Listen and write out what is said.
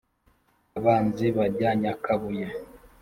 abanzi bajya nyakabuye.